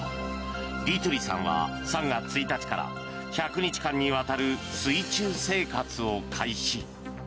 ディトゥリさんは３月１日から１００日間にわたる水中生活を開始。